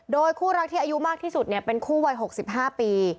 โดยคู่รักที่อายุมากที่สุดเนี่ยเป็นคู่วัยหกสิบห้าปี